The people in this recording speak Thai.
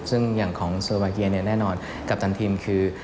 ซึ่งอย่างของโซวาเกียเนี่ยแน่นอนกัปตันทีมคือ